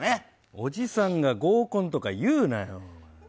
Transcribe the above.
おじさんが合コンとか言うなよ。